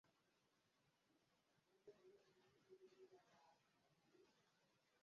imbwa yonsa ibirenge by'inka